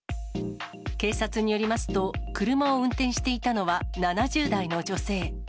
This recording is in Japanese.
警察によりますと、車を運転していたのは、７０代の女性。